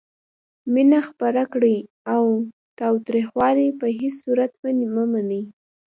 مینه خپره کړئ او تاوتریخوالی په هیڅ صورت مه منئ.